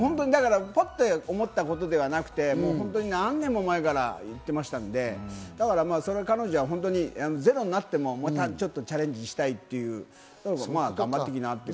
パッて思ったことではなくて、何年も前から言ってましたので、彼女は本当にゼロになってもまたチャレンジしたいっていう頑張ってきなって。